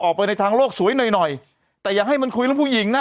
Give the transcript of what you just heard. ออกไปทางโลกสวยหน่อยแต่อย่างให้มันคุยกับผู้หญิงนะ